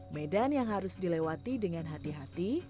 medan yang harus dilewati dengan hati hati